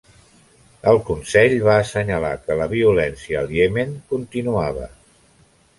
El Consell va assenyalar que la violència al Iemen continuava.